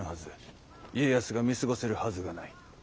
家康が見過ごせるはずがない。